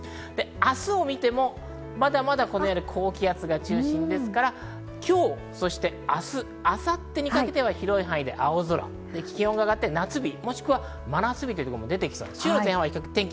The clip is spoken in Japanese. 明日を見ても、まだ高気圧が中心ですから、今日、そして明日・明後日にかけては広い範囲で青空、気温が上がって夏日もしくは真夏日というところも出てきそうです。